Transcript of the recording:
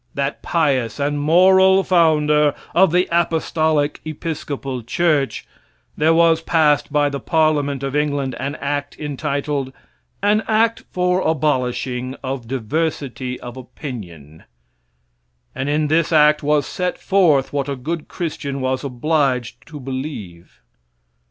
that pious and moral founder of the Apostolic Episcopal church, there was passed by the Parliament of England an act entitled, "An act for abolishing of diversity of opinion." And in this act was set forth what a good Christian was obliged to believe.